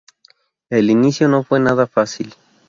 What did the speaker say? El inicio no fue nada fácil.